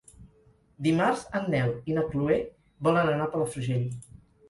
Dimarts en Nel i na Chloé volen anar a Palafrugell.